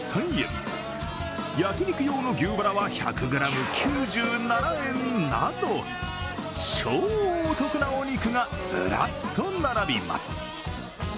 焼き肉用の牛バラは１００ｇ９７円など超お得なお肉がずらっと並びます。